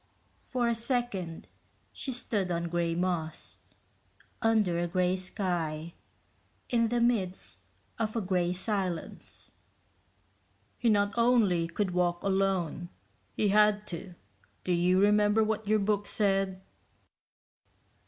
For a second she stood on gray moss, under a gray sky, in the midst of a gray silence. "He not only could walk alone, he had to. Do you remember what your book said?"